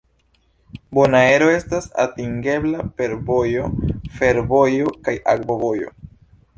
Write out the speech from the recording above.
Bonaero estas atingebla per vojo, fervojo, kaj akvovojo.